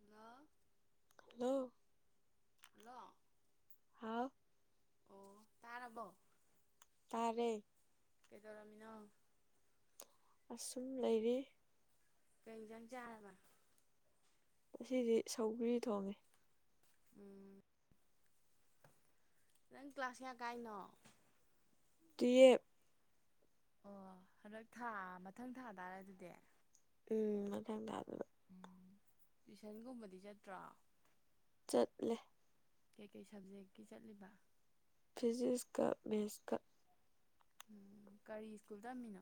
Hello hello hello ꯍꯥꯎ ꯑꯣ ꯇꯥꯔꯕꯣ ꯇꯥꯥꯔꯦ ꯀꯩꯗꯧꯔꯃꯤꯅꯣ ꯑꯁꯨꯝ ꯂꯩꯔꯤ ꯀꯩ ꯏꯟꯁꯥꯡ ꯆꯥꯔꯕ ꯑꯁꯤꯗꯤ ꯁꯧꯒ꯭ꯔꯤ ꯊꯣꯡꯉꯤ ꯎꯝ ꯅꯪ ꯀ꯭ꯂꯥꯁ ꯀꯌꯥ ꯀꯥꯏꯅꯣ ꯇꯨꯌꯦꯋꯞ ꯑꯣ ꯍꯟꯗꯛ ꯊꯥ ꯃꯊꯪ ꯊꯥ ꯇꯥꯔꯦ ꯑꯗꯨꯗꯤ ꯎꯝ ꯑꯗꯨꯗꯗ ꯑꯗꯨ ꯎꯝ ꯇꯨꯏꯁꯟꯒꯨꯝꯕꯗꯤ ꯆꯠꯇ꯭ꯔꯣ ꯆꯠꯂꯦ ꯀꯩꯀꯩ ꯁꯕꯖꯦꯛꯀꯤ ꯆꯠꯂꯤꯕ ꯐꯤꯖꯤꯛꯁꯀ ꯃꯦꯠꯁꯀ ꯎꯝ ꯀꯔꯤ ꯁ꯭ꯀꯨꯜ ꯇꯝꯃꯤꯅꯣ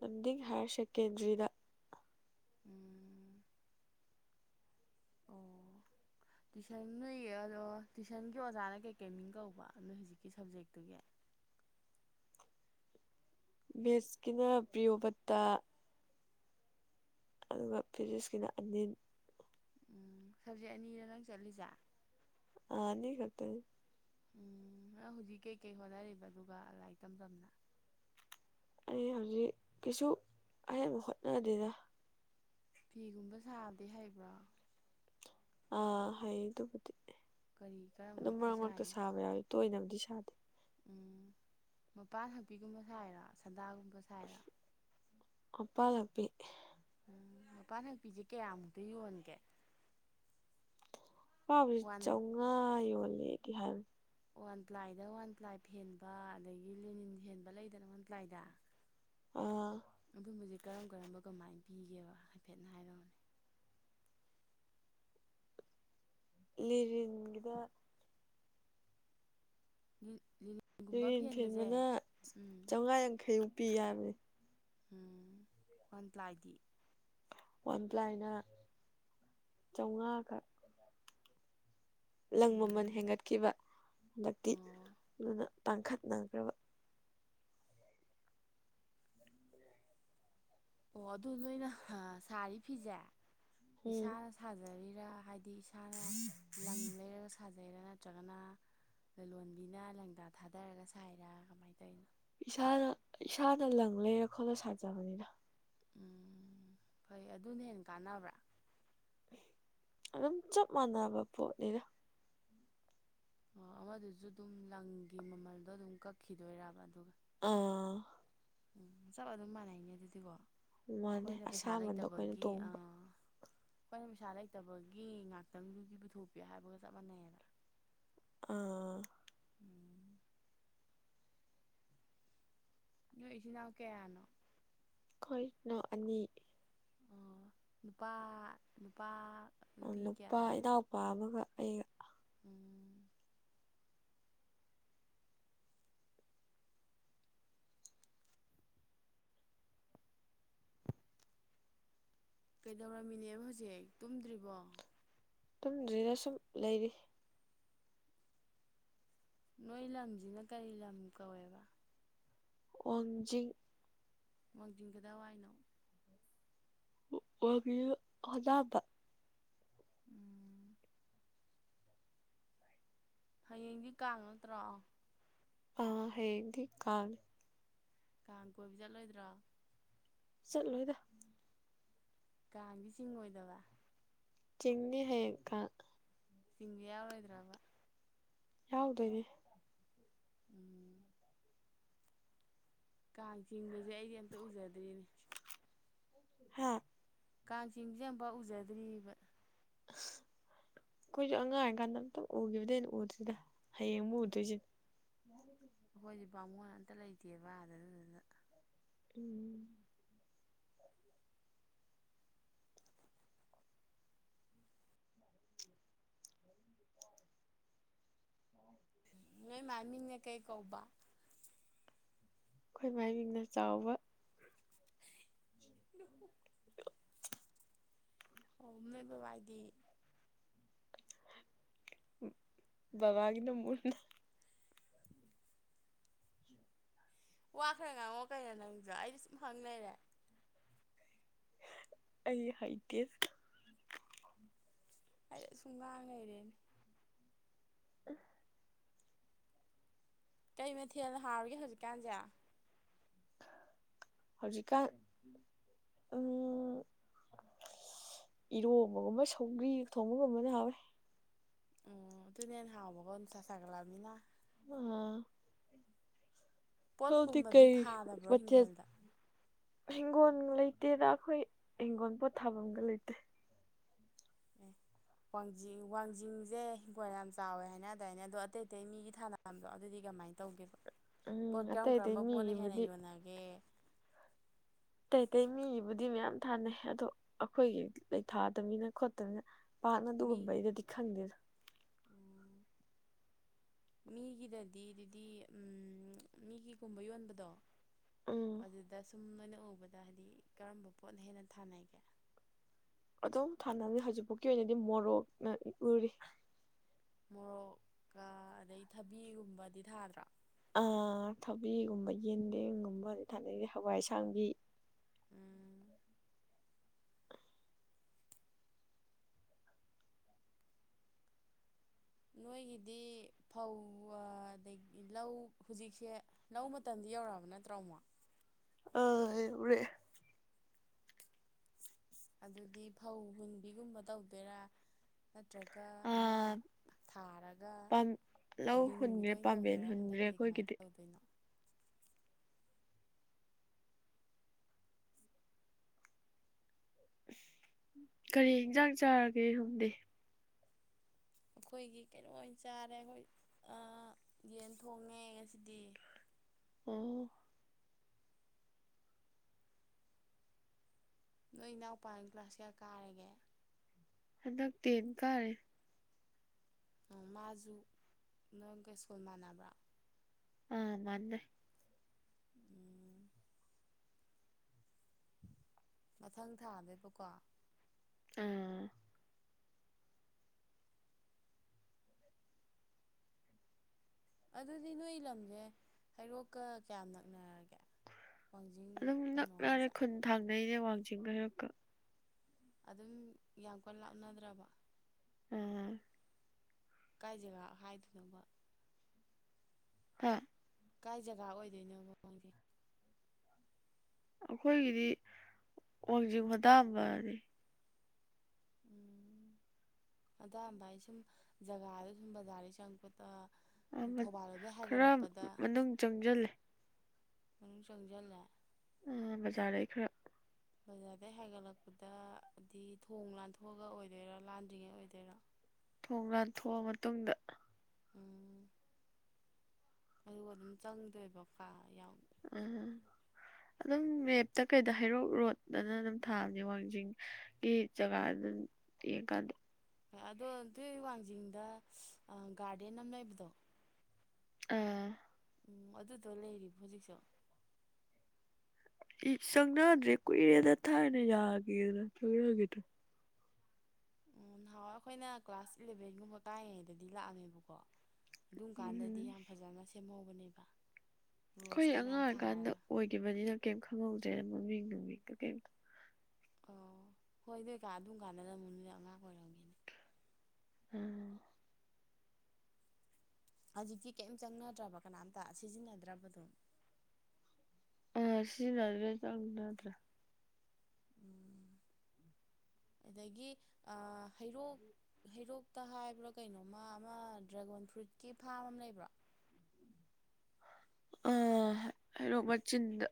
ꯂꯝꯗꯤꯡ ꯍꯥꯌꯔ ꯁꯦꯀꯦꯟꯗ꯭ꯔꯤꯗ ꯎꯝ [unintelligible] ꯇꯨꯏꯁꯟ ꯅꯣꯏ ꯑꯗꯣ ꯇꯨꯏꯁꯟꯒꯤ ꯑꯣꯖꯥꯅ ꯀꯩꯀꯩ ꯃꯤꯡ ꯀꯧꯕ ꯅꯣꯏ ꯍꯧꯖꯤꯛꯀꯤ ꯁꯞꯖꯦꯛꯇꯨꯒꯤ ꯃꯦꯁꯀꯤꯅ ꯄ꯭ꯔꯤꯌꯣꯕꯇꯥ ꯑꯗꯨꯒ ꯐꯤꯖꯤꯛꯁꯀꯤꯅ ꯑꯅꯤ ꯎꯝ ꯁꯕꯖꯦꯛ ꯑꯅꯤꯔ ꯅꯪ ꯆꯠꯂꯤꯖꯥ ꯑꯥꯅꯤ ꯈꯇ ꯎꯝ ꯍꯧꯖꯤꯛ ꯀꯩꯀꯩ ꯍꯣꯠꯅꯔꯤꯕ ꯑꯗꯨꯒ ꯂꯥꯏꯔꯤꯛ ꯇꯝ ꯇꯝꯅ ꯑꯩ ꯍꯧꯖꯤꯛ ꯀꯩꯁꯨ ꯑꯌꯥꯝꯕ ꯍꯣꯠꯅꯗꯦꯗ ꯐꯤꯒꯨꯝꯕ ꯁꯥꯕꯗꯤ ꯍꯩꯕꯔꯣ ꯑꯥ ꯍꯩ ꯑꯗꯨꯕꯨꯗꯤ ꯀꯔꯤ ꯀꯔꯝꯕ ꯑꯗꯨꯝ ꯐꯤ ꯃꯔꯛ ꯃꯔꯛꯇ ꯁꯥꯏꯅꯣ ꯁꯥꯕ ꯌꯥꯎꯋꯤ ꯇꯣꯏꯅꯕꯨꯗꯤ ꯁꯥꯗꯦ ꯎꯝ ꯃꯄꯥꯟ ꯍꯛꯄꯤꯒꯨꯝꯕ ꯁꯥꯏꯔꯣ ꯁꯗꯥꯒꯨꯝꯕ ꯁꯥꯏ [unintelligible] ꯄꯤꯛꯏ ꯎꯝ ꯃꯄꯥꯟ ꯍꯛꯄꯤꯁꯦ ꯀꯌꯥꯃꯨꯛꯇ ꯌꯣꯟꯒꯦ ꯑꯄꯥꯕꯁꯤ ꯋꯥꯟ ꯆꯥꯝꯃꯉꯥ ꯌꯣꯜꯂꯦꯗꯤ ꯍꯥꯏꯕꯅꯦ ꯋꯥꯟ ꯄ꯭ꯂꯥꯏꯗ ꯋꯥꯟ ꯄ꯭ꯂꯥꯏ ꯐꯦꯟꯕ ꯑꯗꯒꯤ ꯂꯦꯅꯤꯟ ꯐꯦꯟꯕ ꯂꯩꯗꯅ ꯋꯥꯟ ꯄ꯭ꯂꯥꯏꯗ ꯫ ꯑꯣ ꯑꯗꯨꯝꯕꯁꯦ ꯀꯔꯝ ꯀꯔꯝꯕ ꯀꯃꯥꯏꯅ ꯄꯤꯒꯦꯕ ꯍꯥꯏꯐꯦꯠꯅ ꯍꯥꯏꯔꯛꯑꯣꯅꯦ ꯂꯤꯅꯤꯟꯒꯤꯗ ꯂꯤ [unintelligible] ꯂꯦꯅꯤꯟ ꯐꯦꯟꯕꯅ ꯆꯥꯝꯃꯉꯥ ꯌꯥꯡꯈꯩꯃꯨꯛ ꯍꯥꯏꯕꯅꯦ ꯎꯝ ꯋꯥꯟ ꯄꯂꯥꯏ ꯗꯤ ꯋꯥꯟ ꯄ꯭ꯂꯥꯏꯅ ꯆꯥꯝꯃꯉꯥꯈꯛ ꯂꯪ ꯃꯃꯜ ꯎꯝ ꯍꯦꯟꯒꯠꯈꯤꯕ ꯍꯟꯗꯛꯇꯤ ꯑꯣ ꯑꯗꯨꯅ ꯇꯥꯡꯈꯠꯅꯈ꯭ꯔꯕ ꯑꯣ ꯑꯗꯨ ꯅꯣꯏꯅ ꯁꯥꯔꯤ ꯐꯤꯁꯦ ꯎꯝ ꯏꯁꯥꯅ ꯁꯥꯖꯔꯤꯔꯥ ꯍꯥꯏꯗꯤ ꯏꯁꯥꯅ ꯂꯪ ꯂꯩꯔꯒ ꯁꯥ ꯁꯥꯖꯩꯔꯥ ꯅꯠꯇ꯭ꯔꯒꯅ ꯂꯂꯣꯟꯕꯤꯅ ꯂꯪꯗꯥ ꯊꯥꯗꯔꯒ ꯁꯥꯏꯔꯥ ꯀꯃꯥꯏꯅ ꯇꯧꯔꯤꯅꯣ ꯏꯁꯥꯅ ꯏꯁꯥꯅ ꯂꯪ ꯂꯩꯔ ꯈꯣꯠꯂ ꯁꯥꯖꯕꯅꯤꯗ ꯎꯝ ꯐꯩ ꯑꯗꯨꯅ ꯍꯦꯟꯅ ꯀꯥꯟꯅꯕ꯭ꯔꯥ ꯑꯗꯨꯝ ꯆꯞ ꯃꯥꯟꯅꯕ ꯄꯣꯠꯅꯤꯗꯥ ꯑꯣ ꯑꯃꯗꯨꯁꯨ ꯑꯗꯨꯝ ꯂꯪꯒꯤ ꯃꯃꯜꯗꯣ ꯑꯗꯨꯝ ꯀꯛꯈꯤꯗꯣꯏꯔꯕ ꯑꯗꯨꯒ ꯑꯥ ꯎꯝ ꯆꯞ ꯑꯗꯨꯝ ꯃꯥꯟꯅꯩꯅꯦ ꯑꯗꯨꯗꯤꯀꯣ ꯃꯥꯅꯦ ꯑꯩꯈꯣꯏꯅ ꯄꯩꯁꯥ ꯑꯁꯥꯃꯟꯗꯣ ꯑꯩꯈꯣꯏꯅ ꯂꯩꯇꯕꯒꯤ ꯑ ꯇꯣꯡꯕ ꯑꯩꯈꯣꯏꯅ ꯄꯩꯁꯥ ꯂꯩꯇꯕꯒꯤ ꯉꯥꯛꯇꯪꯗꯨꯒꯤ ꯄꯨꯊꯣꯛꯄꯤꯌꯨ ꯍꯥꯏꯕꯒ ꯆꯞ ꯃꯥꯟꯅꯩꯌꯦꯗ ꯑꯥ ꯎꯝ ꯅꯣꯏ ꯏꯆꯤꯟ ꯏꯅꯥꯎ ꯀꯌꯥꯅꯣ ꯑꯩꯈꯣꯏꯅ ꯑꯅꯤ ꯑꯣ ꯅꯨꯄꯥ ꯅꯨꯄꯥ ꯅꯨꯄꯤ ꯀꯌꯥ ꯅꯨꯄꯥ ꯀꯃꯥꯏꯅ ꯏꯅꯥꯎꯄꯥ ꯑꯃꯒ ꯑꯩꯒ ꯎꯝ ꯀꯩꯗꯧꯔꯝꯃꯤꯅꯦꯕ ꯍꯧꯖꯤꯛ ꯇꯨꯝꯗ꯭ꯔꯤꯕꯣ ꯇꯨꯝꯗꯔ꯭ꯤꯗ ꯁꯨꯝ ꯂꯩꯔꯤ ꯅꯣꯏ ꯂꯝꯁꯤꯅ ꯀꯔꯤ ꯂꯝ ꯀꯧꯋꯦꯕ ꯋꯥꯡꯖꯤꯡ ꯋꯥꯡꯖꯤꯡ ꯀꯗꯥꯏ ꯋꯥꯏꯅꯣ [unintelligible] ꯎꯝ ꯍꯌꯦꯡꯗꯤ ꯀꯥꯡ ꯅꯠꯇ꯭ꯔꯣ ꯑꯥ ꯍꯌꯦꯡꯗꯤ ꯀꯥꯥꯡꯅꯤ ꯀꯥꯡ ꯀꯣꯏꯕ ꯆꯠꯂꯣꯏꯗ꯭ꯔꯣ ꯆꯠ ꯂꯣꯏꯗ ꯀꯥꯡꯗꯤ ꯆꯤꯡ ꯑꯣꯏꯗꯕ ꯆꯤꯡꯅꯤ ꯍꯌꯦꯡ ꯀꯥꯡ ꯆꯤꯡꯕ ꯌꯥꯎꯔꯣꯏꯗ꯭ꯔꯥꯕ ꯌꯥꯎꯗꯣꯏꯅꯦ ꯎꯝ ꯀꯥꯡ ꯆꯤꯡꯕꯁꯦ ꯑꯩꯗꯤ ꯑꯝꯇ ꯎꯖꯗ꯭ꯔꯤꯅꯦ ꯍꯥ ꯀꯥꯡ ꯆꯤꯡꯁꯦ ꯑꯃꯐꯥꯎ ꯎꯖꯗ꯭ꯔꯤꯕ ꯑꯩꯈꯣꯏꯁꯨ ꯑꯉꯥꯡ ꯑꫭꯏꯔꯤꯀꯥꯟꯗ ꯑꯝꯇ ꯎꯈꯤꯕꯗꯤ ꯍꯦꯟꯅ ꯎꯗ꯭ꯔꯤꯗ ꯍꯌꯦꯡꯕꯨ ꯎꯗꯣꯏꯁꯤꯅꯦ ꯑꯩꯈꯣꯏꯗꯤ ꯕꯥꯃꯣꯟ ꯑꯝꯇ ꯂꯩꯇꯦꯕ ꯑꯗꯥ‌ ꯑꯗꯨꯗꯨꯅ ꯎꯝ ꯅꯣꯏ ꯃꯥꯏ ꯃꯤꯡꯅꯥ ꯀꯩ ꯀꯧꯕ ꯑꯩꯈꯣꯏ ꯃꯥꯏꯃꯤꯡꯅ ꯆꯥꯎꯕ ꯑꯣ ꯅꫭꯏ‌‌ ꯕꯕꯥꯏꯗꯤ ꯕꯕꯥꯒꯤꯅ ꯃꯨꯅꯥ ꯋꯥꯈ꯭ꯔ ꯉꯥꯡꯉꯣ ꯀꯩꯅꯣ ꯅꯪꯁꯨ ꯑꯩꯅ ꯁꯨꯝ ꯍꯪꯂꯩꯔꯦ ꯑꯩ ꯍꯩꯇ‌ꯦ ꯑꯩꯅ ꯁꯨꯝ ꯉꯥꯡ ꯂꯩꯔꯦꯅꯦ ꯎ [unintelligible] ꯀꯩ ꯃꯊꯦꯜꯅ ꯍꯥꯎꯔꯤꯒꯦ ꯍꯧꯖꯤꯛꯀꯥꯟꯁꯦ ꯍꯧꯖꯤꯛꯀꯥꯟ ꯎꯝ ꯏꯔꯣꯕꯒꯨꯝꯕ ꯁꯧꯒ꯭ꯔꯤ ꯊꯣꯡꯕꯒꯨꯝꯕꯅ ꯍꯥꯎꫪ‌ꯦ ꯑꫭ ꯑꯗꯨꯅ ꯍꯟꯅ ꯍꯥꯎꯕꯀꫭ ꯅꯨꯡꯁꯥ ꯁꯒꯂꯃꯤꯅꯥ ꯑꯥ ꯁꫭꯝꯗꯤ ꯄꯣꯠꯀꯨꯝꯕꯗꯤ ꯀꯩ ꯊꯥꯗꯕ꯭ꯔꯣ ꯃꯊ‌ꯦꯜ ꯍꯤꯡꯒꯣꯜꯗ ꯍꯤꯡꯒꯣꯜ ꯂꯩꯇꯦꯗ ꯑꯩꯈꯣꯏ ꯍꯤꯡꯒꯣꯜ ꯄꯣꯠꯊꯥꯕꯝꯒ ꯂꯩꯇꯦ ꯑꯦ ꯋꯥꯡꯖꯤꯡ ꯋꯥꯡꯖꯤꯡꯁꯦ ꯍꯤꯡꯈꯣꯜ ꯌꯥꯝ ꯆꯥꯎꯋꯦ ꯍꯥꯏꯅ ꯗꯥꯏꯅꯦ ꯑꯗꯣ ꯑꯇꯩ ꯑꯇꯩ ꯃꯤꯒꯤ ꯊꯥꯅꯕ ꯃꯌꯥꯝꯗꫭ ꯑꯗꯨꯗꯤ ꯀꯃꯥꯏꯅ ꯇꯧꯒꯦꯕ ꯄꯣꯠ ꯎꯝ ꯀꯔꯝ ꯑꯇꯩ ꯑꯇꯩ ꯀꯔꯝꯕ ꯄꯣꯠꯅ ꯍꯦꯟꯅ ꯃꯤꯒꯤꯕꯨꯗꯤ ꯌꯣꯟꯅꯒꯦ ꯑꯇꯩ ꯑꯇꯩ ꯃꯤꯒꯤꯕꯨꯗꯤ ꯃꯌꯥꯝ ꯊꯥꯅꯩ ꯑꯗꯣ ꯑꯩꯈꯣꯏꯒꯤ ꯂꯩ ꯊꯥꯗꯕꯅꯤꯅ ꯈꯣꯠꯇꯅꯤꯅ ꯄꯥꯠꯅ ꯃꯤ ꯑꯗꯨꯒꯨꯝꯕꯩ ꯗꯗꯤ ꯈꯟꯗꯦꯗ [unintelligible] ꯃꯤꯒꯤꯗꯗꯤ ꯑꯗꯨꯗꯤ ꯃꯤꯒꯤꯒꯨꯝꯕ ꯌꯣꯟꯕꯗꯣ ꯎꯝ ꯑꯗꯨꯗ ꯁꯨꯝ ꯅꯣꯏꯅ ꯎꯕꯗ ꯍꯥꯏꯗꯤ ꯀꯔꯝꯕ ꯄꯣꯠꯅ ꯍꯦꯟꯅ ꯊꯥꯅꯒꯦ ꯑꯗꯨꯝ ꯊꯥꯅꯕꯅꯦ ꯍꯧꯖꯤꯛꯐꯥꯎꯀꯤ ꯑꯣꯏꯅꯗꯤ ꯃꯣꯔꯣꯛꯅ ꯎꯔꯤ ꯃꯣꯔꯣꯛꯀ ꯑꯗꯩ ꯊꯕꯤꯒꯨꯝꯕꯗꯤ ꯊꯥꯗ꯭ꯔꯣ ꯑ ꯊꯕꯤꯒꯨꯝꯕ ꯌꯦꯟꯗꯦꯝꯒꯨꯝꯕ ꯊꯥꯅꯩꯁꯦ ꯑ ꯍꯋꯥꯏꯑꯁꯥꯡꯕꯤ ꯎꯝ ꯅꯣꯏꯒꯤꯗꯤ ꯐꯧ ꯑꯗꯒꯤ ꯂꯧ ꯍꯧꯖꯤꯛꯁꯦ ꯂꯧ ꯃꯇꯝꯗꯤ ꯌꯧꯔꯛꯑꯕ ꯅꯠꯇ꯭ꯔꯣ ꯑꯃꯨꯛ ꯑꯥ‌ ꯌꯩꯔ‌ꯦ ꯑꯗꯨꯗꯤ ꯐꯧ ꯍꯨꯟꯕꯤꯒꯨꯝꯕ ꯇꯧꯗꯣꯏꯔꯥ ꯅꯠꯇ꯭ꯔꯒ ꯑ ꯑꯃ ꯊꯥꯔꯒ ꯄꯥꯝ ꯂꯧ ꯂꯤꯡꯕꯤꯗꯨ ꯍꯨꯟꯈ꯭ꯔꯦ ꯑꯣꯏꯅ ꯄꯥꯝꯕꯦꯟ ꯇꯧꯗꯣꯏꯔꯥ ꯍꯨꯟꯈ꯭ꯔꯦ ꯍꯟꯗꯛꯀꯤꯗꯤ ꯀꯃꯥꯏꯅ ꯑꯩꯈꯣꯏꯒꯤꯗꯤ ꯇꯧꯗꯣꯏꯅꯣ ꯀꯔꯤ ꯏꯟꯖꯥꯡ ꯆꯥꯔꯒꯦ ꯁꫭꯝꯗ ꯑꯩꯈꯣꯏꯒꯤ ꯀꯩꯅꯣ ꯑꯣꯏꯅ ꯆꯥꯔꯦ ꯑꯩꯈꯣꯏ ꯑꯥ ꯌꯦꯟ ꯊꯣꯡꯉꯦ ꯉꯁꯤꯗꯤ ꯑꯝ ꯅꯣꯏ ꯏꯅꯥꯎꯄꯥ ꯀ꯭ꯂꯥꯁ ꯀꯌꯥ ꯀꯥꯔꯒꯦ ꯍꯟꯗꯛ ꯇꯦꯟ ꯀꯥꯔꯤꯅꯦ ꯎꯝ ꯃꯥꯁꯨ ꯅꯪꯒ ꯁ꯭ꯀꯨꯜ ꯃꯥꯟꯅꯕ꯭ꯔꯥ ꯑꯥ ꯃꯥꯟꯕꯩ ꯎꯝ ꯃꯊꯪ ꯊꯥꯅꯦꯕꯀꯣ ꯑꯥ ꯑꯗꯨꯗꯤ ꯅꯣꯏ ꯂꯝꯁꯦ ꯍꯩꯔꯣꯛꯀ ꯀꯌꯥꯝ ꯅꯛꯅꯔꯒꯦ ꯋꯥꯡꯖꯤꯡ ꯑꯗꯨꯝ ꯀꯩꯅꯣ ꯅꯛꯅꯔꯦ ꯍꯥꯏꯁꯦ ꯈꯨꯟ ꯊꯥꯡꯅꯩꯅꯦ ꯋꯥꯡꯖꯤꯡꯒ ꯍꯩꯔꯣꯛꯀ ꯑꯗꯨꯝ ꯌꯥꯝ ꯀꯟꯅ ꯂꯥꯞꯅꯗ꯭ꯔꯕ ꯎꯝ ꯀꯥꯏ ꯖꯒꯥ ꯍꯥꯏꯗꯣꯏꯅꯣꯕ ꯍꯥ ꯀꯥꯏ ꯖꯒꯥ ꯑꯣꯏꯗꯣꯏꯅꯣꯕ ꯋꯥꯡꯖꯤꯡ ꯑꯩꯈꯣꯏꯒꯤꯗꯤ ꯋꯥꯡꯖꯤꯡ ꯍꯣꯟꯗꯥꯝꯕꯅꯤ ꯎꯝ ꯍꯣꯗꯥꯝꯕ ꯍꯥꯏꯁꯦ ꯁꯨꯝ ꯖꯒꯥꯗ ꯁꯨꯝ ꯕꯖꯥꯔꯗꯩ ꯆꯪꯉꯛꯄꯗ ꯊꯧꯕꯥꯜꯂꯣꯝꯗꯩ ꯈꯔ ꯍꯥꯏꯒꯠꯂꯛꯄꯗ ꯃꯅꯨꯡ ꯆꯪꯖꯤꯜꯂꯦ ꯃꯅꯨꯡ ꯁꯪꯖꯜꯂꯦ ꯑ ꯕꯖꯥꯔꯗꯩ ꯈꯔ ꯕꯖꯥꯔꯗꯩ ꯍꯥꯏꯒꯠꯂꯛꯄꯗꯗꯤ ꯊꯣꯡ ꯂꯥꯟꯊꯣꯛꯑꯒ ꯑꯣꯏꯗꯣꯏꯔꯥ ꯂꯥꯟꯗ꯭ꯔꯤꯉꯩ ꯑꯣꯏꯗꯣꯏꯔꯥ ꯊꯣꯡ ꯂꯥꯟꯊꯣꯛꯑ ꯃꯇꯨꯡꯗ ꯎꯝ ꯑꯗꯨꯒ ꯑꯗꯨꯝ ꯆꯪꯗꯣꯏꯕ [unintelligible] ꯑꯝ ꯑꯗꯨꯝ ꯃꯦꯞꯇ ꯀꯩꯗ ꯍꯩꯔꯣꯛ ꯔꯣꯗꯅ ꯑꯗꯨꯝ ꯊꯥꯕꯅꯤ ꯋꯥꯡꯖꯤꯡ ꯒꯤ ꯆꯒꯥ ꯑꯗꯨ ꯌꯦꯡ ꯀꯥꯟꯗꯣ ꯑ ꯑꯗꯣ ꯗꯨꯏ ꯋꯥꯡꯖꯤꯡꯗ ꯒꯥꯔꯗꯦꯟ ꯑꯃ ꯂꯩꯕꯗꯣ ꯎꯝ ꯎꯝ ꯑꯗꯨꯗꯣ ꯂꯩꯔꯤꯕ ꯍꯧꯖꯤꯛꯁꯨ ꯆꯪꯅꯗ꯭ꯔꯦ ꯀꯨꯏꯔꯦꯗ ꯊꯥꯥꯏꯅ ꯌꯥꯒꯤꯗꯅ ꯆꯪꯅꯒꯦꯗ꯭ꯔ ꯎꯝ ꯅꯍꯥꯟꯋꯥꯏ ꯑꯩꯈꯣꯏꯅ ꯀ꯭ꯂꯥꯁ ꯏꯂꯚꯦꯟꯒꯨꯝꯕ ꯀꯥꯏꯔꯤꯉꯩꯗꯗꯤ ꯂꯥꯛꯑꯝꯃꯦꯕꯀꯣ ꯑꯗꯨꯝ ꯀꯥꯟꯗꯗꯤ ꯎꯝ ꯌꯥꯝ ꯐꯖꯅ ꯁꯦꯝꯍꯧꯕꯅꯦꯕ ꯑꯩꯈꯣꯏ ꯔꯣꯁꯀ ꯑꯉꯥꯡ ꯃꯌꯥꯝ ꯑꯣꯏꯀꯥꯟꯗ ꯊꯥꯔꯒ ꯑꯣꯏꯒꯤꯕꯅꯤꯅ ꯀꯩꯝ ꯈꯪꯍꯧꯗ꯭ꯔꯦꯅ ꯃꯃꯤꯡ ꯅꯨꯃꯤꯡꯒ ꯀꯩꯝꯇ ꯑꯣ ꯍꯣꯏ ꯅꯣꯏ ꯀꯥꯟ ꯑꯗꯨꯝ ꯀꯥꯟꯗꯅ ꯑꯃꯨꯛ ꯅꯣꯏ ꯑꯉꯥꯡ ꯑꯣꯏꯔꯝꯒꯤꯅꯤ ꯎꯝ ꯍꯧꯖꯤꯛꯇꯤ ꯀꯩꯝ ꯆꯪꯅꯗ꯭ꯔꯕ ꯀꯅꯥꯝꯇ ꯁꯤꯖꯤꯟꯅꯗ꯭ꯔꯕꯗꯣ ꯑ ꯁꯤꯖꯤꯟꯅꯗ꯭ꯔꯦ ꯆꯪꯅꯗ꯭ꯔꯦ ꯎꯝ ꯑꯗꯒꯤ ꯑ ꯍꯩꯔꯣꯛ ꯍꯩꯔꯣꯛꯇ ꯍꯥꯏꯕ꯭ꯔꯥ ꯀꯩꯅꯣꯃ ꯑꯃ ꯗ꯭ꯔꯦꯒꯣꯟ ꯐ꯭ꯔꯨꯏꯠꯀꯤ ꯐꯥꯝ ꯑꯃ ꯂꯩꯕ꯭ꯔꯣ ꯑ ꯍꯩꯔꯣꯛ ꯃꯆꯤꯟꯗ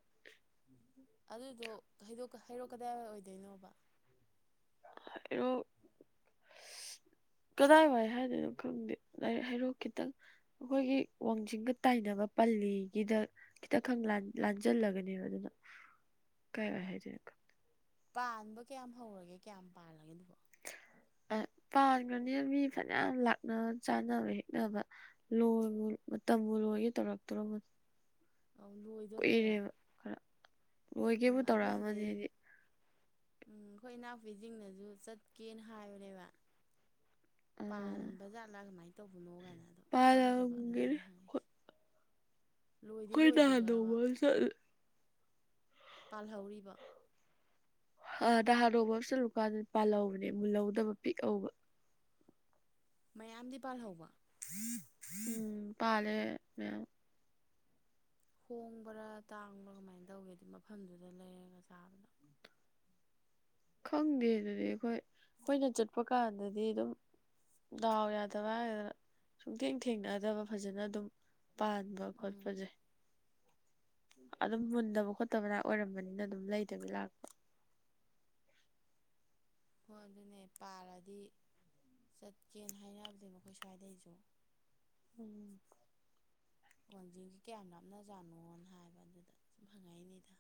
ꯑꯗꯨꯗꯣ ꯍꯩꯔꯣꯛ ꯍꯩꯔꯣꯛ ꯀꯗꯥꯏꯋꯥꯏ ꯑꯣꯏꯗꯣꯏꯅꯣꯕ [unintelligible] ꯑꯁ ꯀꯗꯥꯏꯋꯥꯏ ꯍꯥꯏꯗꯣꯏꯅꯣ ꯈꯪꯗꯦ ꯗꯥꯏꯔꯦꯛ ꯍꯩꯔꯣꯛ ꯈꯤꯇꯪ ꯑꯩꯈꯣꯏꯒꯤ ꯋꯥꯡꯖꯤꯡꯒ ꯇꯥꯏꯅꯕ ꯄꯜꯂꯤꯒꯤꯗ ꯈꯤꯇꯪ ꯈꯪ ꯂꯥꯟꯖꯜꯂꯒꯅꯦꯕ ꯑꯗꯨꯅ ꯀꯥꯏ ꯋꯥꯏ ꯍꯥꯏꯗꯣꯏꯅꯣ ꯈꯪꯗꯦ ꯄꯥꯟꯕ ꯀꯌꯥꯝ ꯍꯧꯔꯒꯦ ꯀꯌꯥꯝ ꯄꯥꯜꯂꯒꯦ ꯑꯗꯨꯕꯣ ꯑ ꯄꯥꯟꯕꯅꯤꯅ ꯃꯤ ꯐꯅꯌꯥꯝ ꯂꯥꯛꯅꯕ ꯆꯥꯅꯕ ꯍꯦꯛꯅꯕ ꯂꯣꯏꯕꯨ ꯃꯇꯝꯕꯨ ꯂꯣꯏꯒꯦ ꯇꯧꯔꯛꯇꯧꯔꯝꯃꯅꯤ ꯑꯧ ꯂꯣꯏ ꯀꯨꯏꯔꯦꯕ ꯈꯔ ꯎꯝ ꯂꯣꯏꯒꯦꯕꯨ ꯑꯩꯈꯣꯏ ꯇꯧꯔꯛꯑꯃꯅꯤ ꯁꯤꯗꯩ ꯑꯩꯗꯤ ꯎꯝ ꯑꯩꯈꯣꯏ ꯏꯅꯥꯎꯄꯤꯖꯤꯡꯅꯁꯨ ꯆꯠꯀꯦꯅ ꯍꯥꯏꯕꯅꯦꯕ ꯄꯥꯟꯕꯖꯥꯠꯂꯥ ꯀꯃꯥꯏꯅ ꯇꯧꯕꯅꯣ ꯀꯥꯏꯅ ꯑꯗꯣ ꯈꯪꯗꯕ ꯑꯗꯨꯗ ꯄꯥꯜꯂꯝꯒꯤꯅꯤ ꯑꯩꯅ ꯍꯪꯉꯛꯏꯁꯦ [inaudible] ꯂꯣꯏꯗꯤ ꯑꯩꯈꯣꯏ ꯅꯍꯥꯟ ꯂꯣꯏꯗ꯭ꯔꯤꯕꯕ ꯅꯣꯡꯃꯃ ꯆꯠꯂꯦ ꯄꯥꯜꯍꯧꯔꯤꯕ ꯑ ꯅꯍꯥꯟ ꯅꯣꯡꯃꯃ ꯆꯠꯂꯨ ꯀꯥꯟꯗꯗꯤ ꯄꯥꯜꯍꯧꯕꯅꯦ ꯃꯨꯜꯍꯧꯗꯕ ꯄꯤꯛꯍꯧꯕ ꯃꯌꯥꯝꯗꯤ ꯄꯥꯜꯍꯧꯕ ꯎꯝ ꯄꯥꯂꯦ ꯃꯌꯥꯝ ꯍꯣꯡꯕ꯭ꯔꯥ ꯇꯥꯡꯕ꯭ꯔꯥ ꯀꯃꯥꯏꯅ ꯇꯧꯒꯦ ꯑꯗꯨ ꯃꯐꯝꯗꯨꯗ ꯂꯩꯔꯒ ꯆꯥꯕꯗꯣ ꯈꯪꯗꯦ ꯑꯗꯨꯗꯤ ꯑꯩꯈꯣꯏ ꯑꯩꯈꯣꯏꯅ ꯆꯠꯄ ꯀꯥꯟꯗꯗꯤ ꯑꯗꯨꯝ ꯗꯥꯎ ꯌꯥꯗꯕ ꯍꯥꯏꯒꯗ꯭ꯔ ꯁꯨꯡꯊꯦꯡ ꯊꯦꯡꯅꯗꯕ ꯐꯖꯅ ꯑꯗꯨꯝ ꯄꯥꯟ ꯄꯥꯟꯕ ꯎꯝ ꯈꯣꯠꯄꯖꯦ ꯑꯗꯨꯝ ꯃꯨꯟꯗꯕ ꯈꯣꯠꯇꯕꯔꯥꯛ ꯑꯣꯏꯔꯝꯕꯅꯤꯅ ꯑꯗꯨꯝ ꯂꯩꯗꯕꯤ ꯂꯥꯛꯄ ꯍꯣꯏ ꯑꯗꯨꯅꯦ ꯄꯥꯔꯗꯤ ꯆꯠꯀꯦꯅ ꯍꯥꯏꯅꯕꯅꯦꯕ ꯑꯩꯈꯣꯏ ꯁ꯭ꯋꯥꯏꯗꯩꯁꯨ ꯎꯝ ꯋꯥꯡꯖꯤꯡꯁꯤ ꯀꯌꯥꯝ ꯂꯥꯞꯅꯖꯥꯠꯅꯣꯅ ꯍꯥꯏꯕ ꯑꯗꯨꯗ ꯁꯨꯝ ꯍꯪꯉꯛꯏꯅꯤꯗ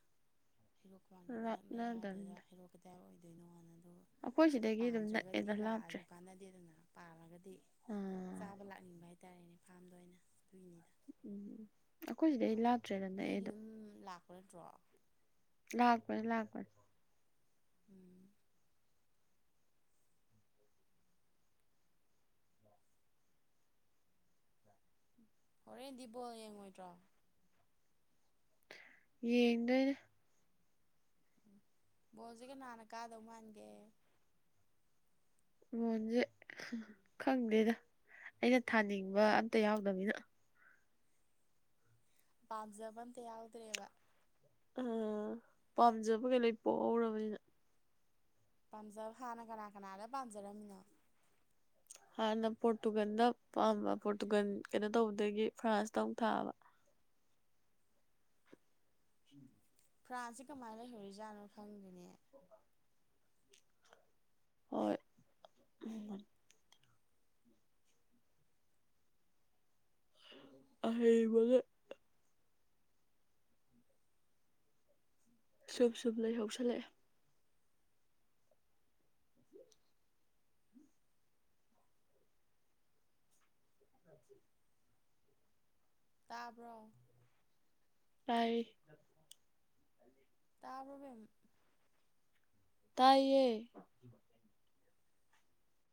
ꯍꯩꯔꯣꯛꯀ ꯋꯥꯡꯖꯤꯡꯒ ꯅꯛꯅꯩ ꯍꯥꯏꯕꯗꯨꯗ ꯂꯥꯞꯅꯗꯕꯅꯤꯗ ꯍꯩꯔꯣꯛ ꯀꯗꯥꯥꯏ ꯑꯣꯏꯗꯣꯏꯅꯣꯗ ꯑꯗꯨꯒ ꯑꯩꯈꯣꯏ ꯁꯤꯗꯒꯤ ꯑꯗꯨꯝ ꯄꯥꯟꯗ꯭ꯔꯒꯗꯤ ꯅꯛꯑꯦꯗ ꯂꯥꯛꯑꯁꯨ ꯀꯥꯟꯅꯗꯦꯗꯅ ꯄꯥꯜꯂꯒꯗꯤ ꯎꯝ ꯆꯥꯕ ꯂꯥꯛꯅꯤꯡꯕ ꯍꯥꯏꯇꯥꯔꯦꯅꯦ ꯐꯥꯔꯝꯗ ꯑꯣꯏꯅ ꯑꯗꯨꯏꯅꯤꯗ ꯑꯣ ꯑꯩꯈꯣꯏ ꯁꯤꯗꯩ ꯂꯥꯞ ꯃꯤꯗꯤ ꯑꯗꯨꯝ ꯂꯥꯛꯄ ꯅꯠꯇ꯭ꯔꯣ ꯂꯥꯛꯄꯅꯤ ꯂꯥꯛꯄꯅꯤ ꯎꯝ ꯍꯣꯔꯦꯟꯗꯤ ꯕꯣꯜ ꯌꯦꯡꯉꯣꯏꯗ꯭ꯔꯣ ꯌꯦꯡꯗꯣꯏꯅꯦ ꯎꯝ ꯕꯣꯜꯁꯤ ꯀꯅꯥꯅ ꯀꯥꯗꯧ ꯃꯥꯟꯒꯦ ꯕꯣꯟꯖꯦ ꯈꯪꯗꯦꯗ ꯑꯩꯅ ꯊꯥꯅꯤꯡꯕ ꯑꯝꯇ ꯌꯥꯎꯗꯝꯅꯤꯅ ꯄꯥꯝꯖꯕ ꯑꯝꯇ ꯌꯥꯎꯗ꯭ꯔꯦꯕ ꯑ ꯄꯥꯝꯖꯕ ꯈꯩ ꯂꯣꯏ ꯄꯣꯍꯧꯔꯕꯅꯤꯅ ꯄꯥꯝꯖꯕ ꯍꯥꯟꯅ ꯀꯅꯥ ꯀꯅꯥꯗ ꯄꯥꯝꯖꯔꯝꯃꯤꯅꯣ ꯍꯥꯟꯅ ꯄꯣꯔꯇꯨꯒꯜꯗ ꯄꯥꯝꯕ ꯄꯣꯔꯇꯨꯒꯟ ꯀꯩꯅꯣ ꯇꯧꯕꯗꯒꯤ ꯐ꯭ꯔꯥꯟꯁꯇ ꯑꯃꯨꯛ ꯊꯥꯕ ꯐ꯭ꯔꯥꯟꯁꯁꯦ ꯀꯃꯥꯏꯅ ꯂꯩꯍꯧꯔꯤꯖꯥꯠꯅꯣ ꯈꯪꯗꯦꯅꯦ ꯍꯣꯏ ꯎ ꯑꯍꯦ ꯃꯗꯨ ꯁꯨꯞ ꯁꯨꯨꯞ ꯂꯩꯍꯧꯁꯜꯂꯛꯑꯦ ꯇꯥꯕ꯭ꯔꯣ ꯇꯥꯔꯤ ꯇꯥꯕ꯭ꯔꯣ ꯕꯦꯝꯃ ꯇꯥꯏꯌꯦ